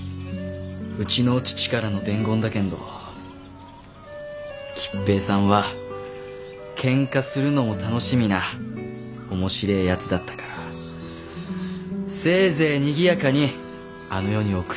うちの父からの伝言だけんど吉平さんはけんかするのも楽しみな面白えやつだったからせいぜいにぎやかにあの世に送ってやってくりょうと。